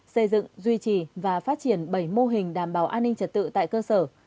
xây dựng duy trì và phát triển bảy mô hình đảm bảo an ninh trật tự tại cơ sở